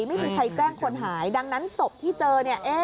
ไม่มีใครแจ้งคนหายดังนั้นศพที่เจอเนี่ย